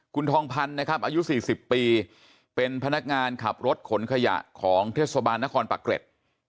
คุณทองพันธ์นะครับอายุ๔๐ปีเป็นพนักงานขับรถขนขยะของเทศบาลนครปะเกร็ด